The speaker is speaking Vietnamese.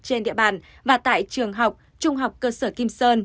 trên địa bàn và tại trường học trung học cơ sở kim sơn